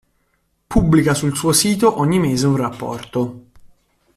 Pubblica sul suo sito ogni mese un rapporto.